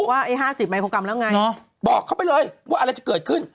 ว่าไอ้๕๐มิโครกรัมแล้วไงบอกเขาไปเลยว่าอะไรจะเกิดขึ้น